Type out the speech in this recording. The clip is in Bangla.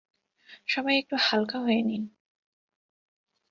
সবাই একটু হালকা হয়ে নিন।